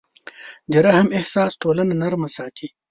د رحم احساس ټولنه نرمه ساتي.